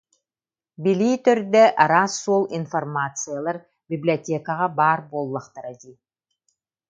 Билии төрдө, араас суол информациялар библиотекаҕа баар буоллахтара дии